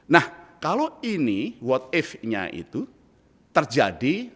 nah kalau ini watt eff nya itu terjadi